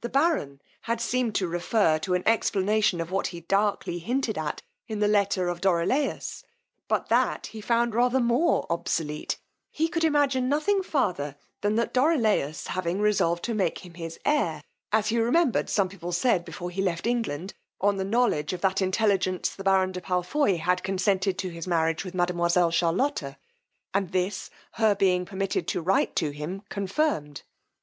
The baron had seemed to refer to an explanation of what he darkly hinted at in the letter of Dorilaus, but that he found rather more obsolete: he could imagine nothing farther than that Dorilaus having resolved to make him his heir, as he remembered some people said before he left England, on the knowledge of that intelligence the baron de Palfoy had consented to his marriage with mademoiselle Charlotta, and this, her being permitted to write to him confirmed.